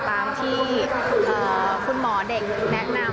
ตามที่คุณหมอเด็กแนะนำ